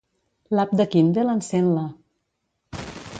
L'app de Kindle encén-la.